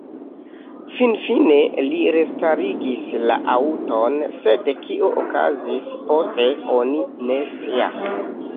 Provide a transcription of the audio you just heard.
Finfine li restarigis la aŭton, sed kio okazis poste oni ne scias.